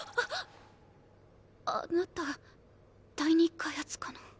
あなた第二開発課の。